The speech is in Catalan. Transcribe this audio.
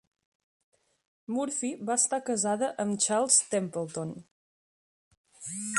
Murphy va estar casada amb Charles Templeton.